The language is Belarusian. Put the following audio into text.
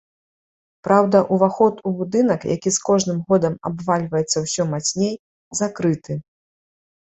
Праўда, уваход у будынак, які з кожным годам абвальваецца ўсё мацней, закрыты.